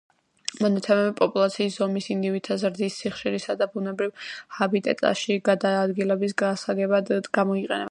მონაცემები პოპულაციის ზომის, ინდივიდთა ზრდის სიხშირისა და ბუნებრივ ჰაბიტატებში გადაადგილების დასადგენად გამოიყენება.